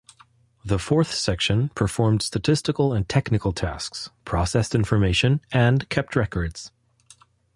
The fourth section performed statistical and technical tasks, processed information, and kept records.